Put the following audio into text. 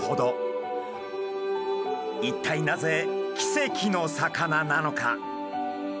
一体なぜ奇跡の魚なのか？